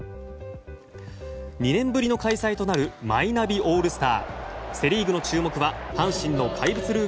２年ぶりの開催となるマイナビオールスター。